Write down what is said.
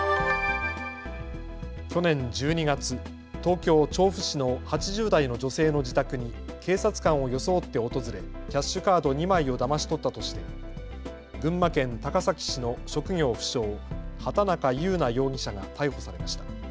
去年１２月、東京調布市の８０代の女性の自宅に警察官を装って訪れキャッシュカード２枚をだまし取ったとして群馬県高崎市の職業不詳、畑中優奈容疑者が逮捕されました。